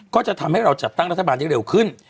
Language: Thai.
ก็จะทำให้เราจัดตั้งรัฐบาลได้เร็วขึ้น